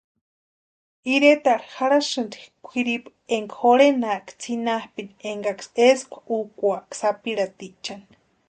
Iretarhu jarhasïnti kwíripu énka jurhenaaka tsinapʼini énkaksï eskwa úkwaka sapirhatichani.